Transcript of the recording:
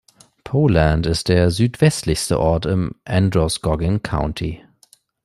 Poland ist der südwestlichste Ort im Androscoggin County.